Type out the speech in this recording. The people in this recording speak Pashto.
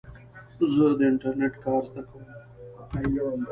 زه د انټرنېټ کار زده کوم.